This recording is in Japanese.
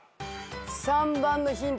３番のヒント